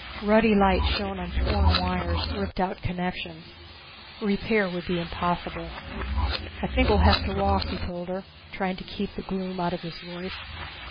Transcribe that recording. Ruddy light shone on torn wires, ripped out connections. Repair would be impossible. "I think we'll have to walk," he told her, trying to keep the gloom out of his voice.